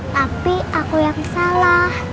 tapi aku yang salah